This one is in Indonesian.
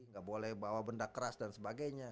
gak boleh bawa benda keras dan sebagainya